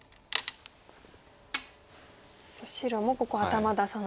白もここ頭出さないと。